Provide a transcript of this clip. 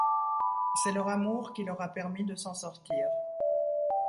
C'est leur amour qui leur a permis de s'en sortir.